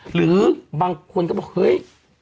หรือบางคนก็บอกเฮ้ย